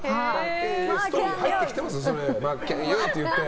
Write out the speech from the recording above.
ストーリー入ってきてます？